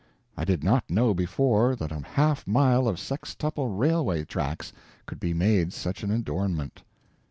I did not know before, that a half mile of sextuple railway tracks could be made such an adornment.